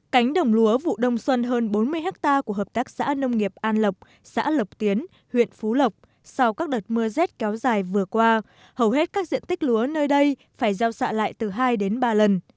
cánh đồng lúa vụ đông xuân hơn bốn mươi hectare của hợp tác xã nông nghiệp an lộc xã lộc tiến huyện phú lộc sau các đợt mưa rét kéo dài vừa qua hầu hết các diện tích lúa nơi đây phải gieo xạ lại từ hai đến ba lần